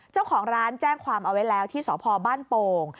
เจ้าของร้านแจ้งความเอาไว้แล้วที่สพบ้านโป่ง